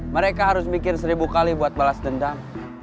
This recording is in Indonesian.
mereka harus mikir seribu kali buat balas dendam